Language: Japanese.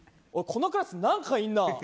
このクラス、何かいんな。